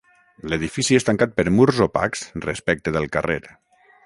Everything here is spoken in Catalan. L'edifici és tancat per murs opacs respecte del carrer.